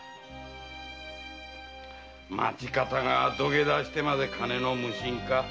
町方が土下座して金の無心か？